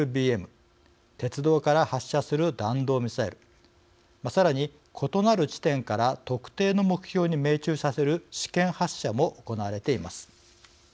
鉄道から発射する弾道ミサイルさらに異なる地点から特定の目標に命中させる試験発射も行われています。